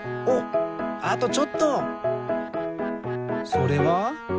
それは？